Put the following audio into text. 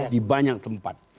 di banyak tempat